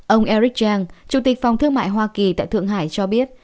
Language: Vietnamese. ông eric zhang chủ tịch phòng thương mại hoa kỳ tại thượng hải cho biết